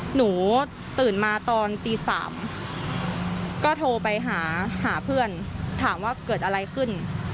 หนูตื่นมาตอนตี๓ก็โทรไปหาหาเพื่อนถามว่าเกิดอะไรขึ้น